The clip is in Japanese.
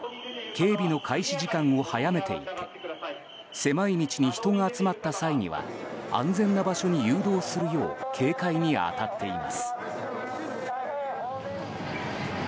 警備の開始時間を早めていて狭い道に人が集まった際には安全な場所に誘導するよう警戒に当たっています。